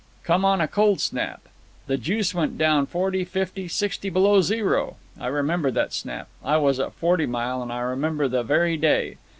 Came on a cold snap. The juice went down forty, fifty, sixty below zero. I remember that snap—I was at Forty Mile; and I remember the very day.